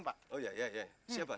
masalah komplain pak